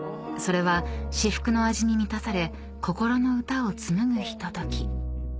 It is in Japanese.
［それは至福の味に満たされ心の歌を紡ぐひととき］